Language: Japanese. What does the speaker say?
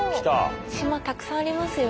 島たくさんありますよ。